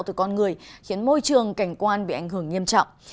từ con người khiến môi trường cảnh quan bị ảnh hưởng nghiêm trọng